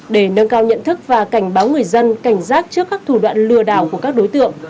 để nâng cao nhận thức và cảnh báo người dân cảnh giác trước các thủ đoạn lừa đảo của các đối tượng